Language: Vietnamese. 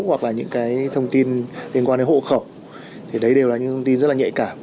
hoặc là những cái thông tin liên quan đến hộ khẩu thì đấy đều là những thông tin rất là nhạy cảm